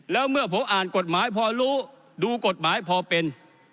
แล้วเมื่อผมอ่านกฎหมายพอรู้ดูกฎหมายพอเป็น